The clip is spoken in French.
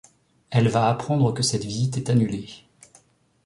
Elle va apprendre que cette visite est annulée.